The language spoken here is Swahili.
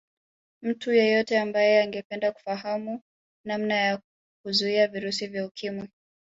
Mtu yeyote ambaye angependa kufahamu namna ya kuzuia virusi vya Ukimwi